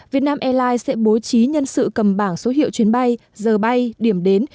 vietnam airlines sẽ bố trí nhân sự cầm bảng số hiệu chuyến bay giờ bay điểm đến